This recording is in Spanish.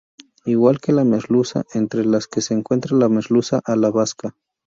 Igual que la merluza, entre las que se encuentra la merluza a la vasca.